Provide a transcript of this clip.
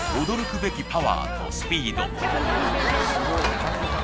ベきパワーとスピード